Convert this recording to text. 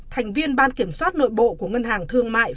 thành viên ban kiểm soát nội bộ của ngân hàng thương mại